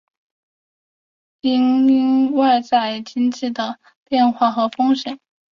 因应外在经济的变化和风险